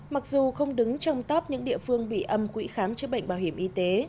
mặc dù không đứng trong top những địa phương bị âm quỹ khám chữa bệnh bảo hiểm y tế